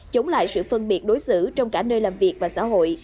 chống lại sự phân biệt đối xử trong cả nơi làm việc và xã hội